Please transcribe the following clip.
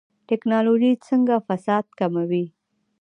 ټکنالوژي څنګه فساد کموي؟